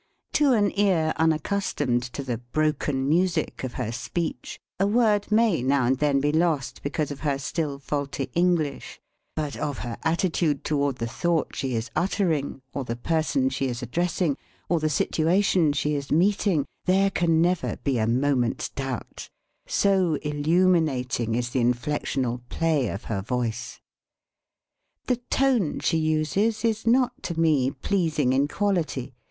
To an ear unaccustomed to the "broken music" of her speech, a word may now and then be lost because of her still faulty English, but of her attitude toward the thought she is uttering, or the person she is addressing, or the situation she is meet ing, there can never be a moment's doubt so illuminating is the inflectional play of her voice. The tone she uses is not to me pleas ing in quality.